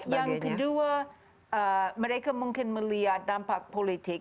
yang kedua mereka mungkin melihat dampak politik